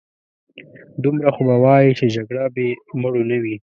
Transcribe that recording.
دومره خو به وايې چې جګړه بې مړو نه وي.